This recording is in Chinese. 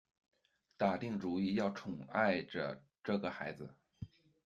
打定主意要宠爱着这个孩子